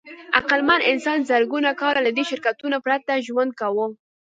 عقلمن انسان زرګونه کاله له دې شرکتونو پرته ژوند کاوه.